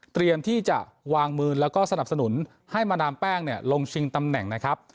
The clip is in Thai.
ที่จะวางมือแล้วก็สนับสนุนให้มาดามแป้งลงชิงตำแหน่งนะครับ